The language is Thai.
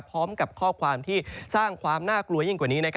พร้อมกับข้อความที่สร้างความน่ากลัวยิ่งกว่านี้